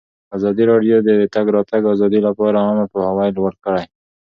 ازادي راډیو د د تګ راتګ ازادي لپاره عامه پوهاوي لوړ کړی.